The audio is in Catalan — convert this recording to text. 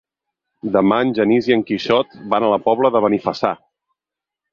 Demà en Genís i en Quixot van a la Pobla de Benifassà.